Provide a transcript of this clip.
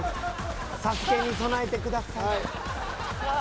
「ＳＡＳＵＫＥ」に備えてください。